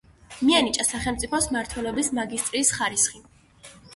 მიენიჭა სახელმწიფო მმართველობის მაგისტრის ხარისხი.